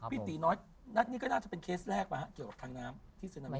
พี่ตีน้อยนัดนี่ก็น่าจะเป็นเคสแรกป่ะฮะเกี่ยวกับทางน้ำที่เซนามิ